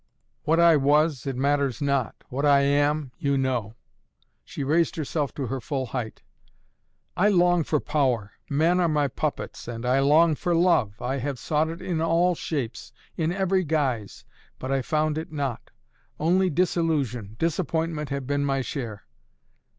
What I was it matters not. What I am you know!" She raised herself to her full height. "I long for power. Men are my puppets. And I long for love! I have sought it in all shapes, in every guise. But I found it not. Only disillusion disappointment have been my share.